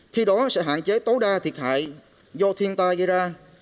khi đó sẽ hạn chế tối đa thiệt hại do thiên tai gây ra